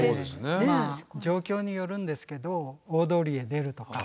まあ状況によるんですけど大通りへ出るとか。